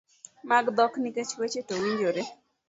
mag dhok nikech weche to winjore